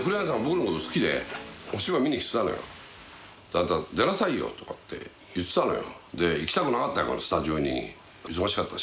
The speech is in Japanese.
「あなた出なさいよ！」とかって言ってたのよ。